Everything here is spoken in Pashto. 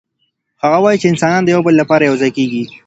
هغه وايي چي انسانان د يو بل لپاره يو ځای کيږي.